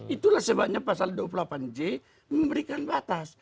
itulah sebabnya pasal dua puluh delapan j memberikan batas